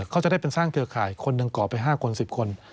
เขาจะได้เป็นสร้างเครือข่ายคนหนึ่งก่อไป๕คน๑๐คน